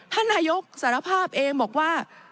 ท่านนายกสารภาพเองบอกว่า